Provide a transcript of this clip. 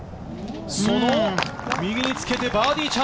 その右につけてバーディーチ